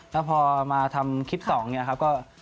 แล้วพอมาทำคลิป๒เนี่ยครับก็